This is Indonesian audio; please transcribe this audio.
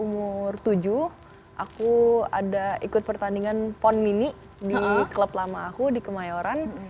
umur tujuh aku ada ikut pertandingan pon mini di klub lama aku di kemayoran